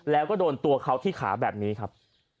แล้วก็โดนตัวเขาที่ขาแบบนี้ครับ